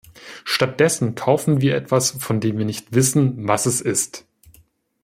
Statt dessen kaufen wir etwas, von dem wir nicht wissen, was es ist.